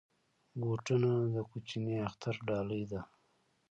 بوټونه د کوچني اختر ډالۍ ده.